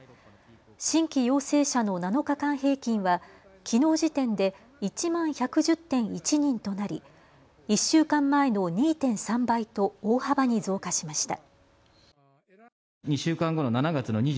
新規陽性者の７日間平均はきのう時点で１万１１０．１人となり１週間前の２．３倍と大幅に増加しました。